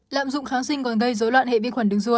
lạm dụng kháng sinh còn gây dối loạn hệ vi khuẩn đường ruột